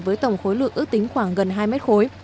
với tổng khối lượng ước tính khoảng gần hai mét khối